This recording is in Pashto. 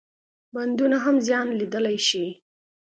بندونه هم زیان لیدلای شي.